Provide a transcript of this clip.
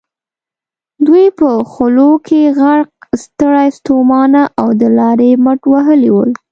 دوی په خولو کې غرق، ستړي ستومانه او د لارې مټ وهلي ول.